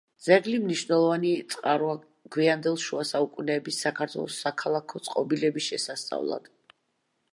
ძეგლი მნიშვნელოვანი წყაროა გვიანდელ შუა საუკუნეების საქართველოს საქალაქო წყობილების შესასწავლად.